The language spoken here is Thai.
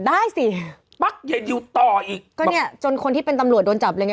ได้สิปั๊กเยดดิวต่ออีกก็เนี่ยจนคนที่เป็นตำรวจโดนจับเลยเนี่ย